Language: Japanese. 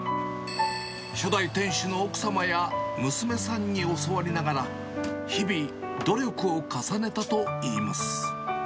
初代店主の奥様や娘さんに教わりながら、日々、努力を重ねたといいます。